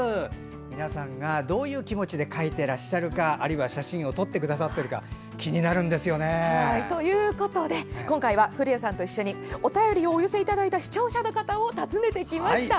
皆さんがどういう気持ちで書いていらっしゃるかあるいは写真を撮っているか気になるんですよね。ということで今回は古谷さんと一緒にお便りをお寄せいただいた視聴者の方を訪ねてきました。